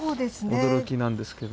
驚きなんですけど。